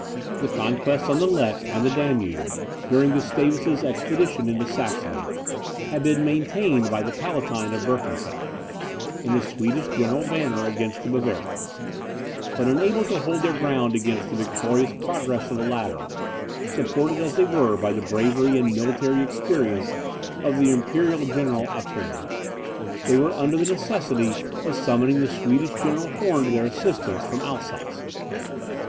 The conquests on the Lech and the Danube, during Gustavus's expedition into Saxony, had been maintained by the Palatine of Birkenfeld, and the Swedish General Banner, against the Bavarians; but unable to hold their ground against the victorious progress of the latter, supported as they were by the bravery and military experience of the Imperial General Altringer, they were under the necessity of summoning the Swedish General Horn to their assistance, from Alsace.